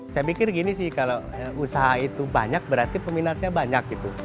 saya pikir gini sih kalau usaha itu banyak berarti peminatnya banyak gitu